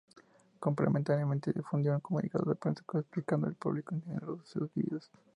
Complementariamente difundió un Comunicado de Prensa explicando al público en general los sucesos vividos.